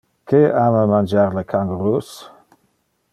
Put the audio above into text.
Que ama mangiar le kangurus?